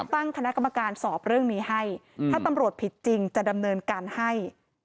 ตั้งคณะกรรมการสอบเรื่องนี้ให้ถ้าตำรวจผิดจริงจะดำเนินการให้